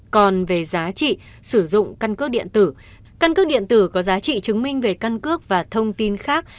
còn về giá trị sử dụng căn cước điện tử căn cước điện tử có giá trị chứng minh về căn cước và thông tin khác